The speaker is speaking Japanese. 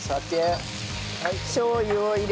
しょう油を入れて。